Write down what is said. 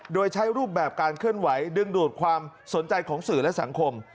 โดยใช้รูปแบบการเคลื่อนไหวดึงดูดความสนใจของสื่อและสังคม